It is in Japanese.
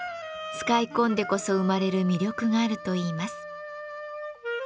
使い込んでこそ生まれる魅力があるといいます。